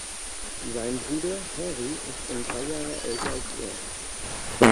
Sein Bruder Harry ist um drei Jahre älter als er.